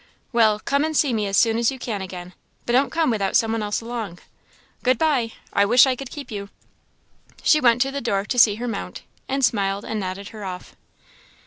well, come and see me as soon as you can again, but don't come without some one else along! Good bye! I wish I could keep you." She went to the door to see her mount, and smiled and nodded her off.